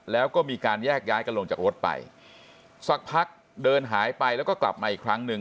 แล้วก็มีการแยกย้ายกันลงจากรถไปสักพักเดินหายไปแล้วก็กลับมาอีกครั้งหนึ่ง